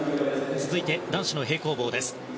続いて、男子の平行棒です。